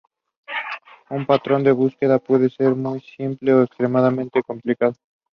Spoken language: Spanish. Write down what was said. Un patrón de búsqueda puede ser muy simple o extremadamente complicado.